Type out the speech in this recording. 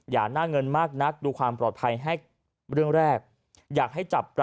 อย่าหน้าเงินมากนักดูความปลอดภัยให้เรื่องแรกอยากให้จับ